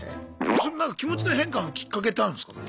それなんか気持ちの変化のきっかけってあるんですか？